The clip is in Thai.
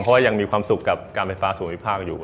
เพราะว่ายังมีความสุขกับการไฟฟ้าส่วนภูมิภาคอยู่